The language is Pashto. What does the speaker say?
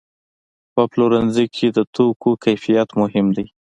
په پلورنځي کې د توکو کیفیت مهم دی.